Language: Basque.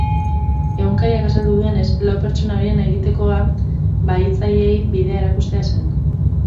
Egunkariak azaldu duenez, lau pertsona horien egitekoa bahitzaileei bidea erakustea zen.